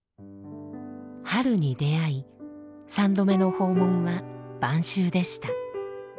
春に出会い３度目の訪問は晩秋でした。